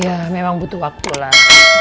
ya memang butuh waktu lah